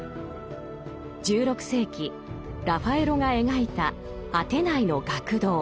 １６世紀ラファエロが描いた「アテナイの学堂」。